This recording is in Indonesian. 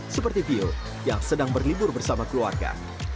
seperti vio yang sedang berlibur bersama keluarga